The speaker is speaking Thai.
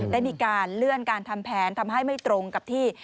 ได้มีการเลื่อนการทำแผนทำให้ไม่ตรงกับที่